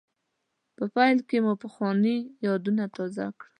په پیل کې مو پخواني یادونه تازه کړل.